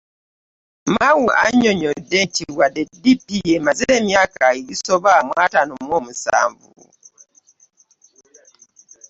Mao annyonnyodde nti wadde DP emaze emyaka egisoba mu ataano mu musanvu